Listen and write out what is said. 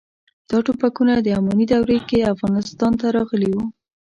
دا ټوپکونه د اماني دورې کې افغانستان ته راغلي وو.